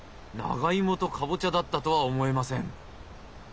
長芋とカボチャだったとは思えません。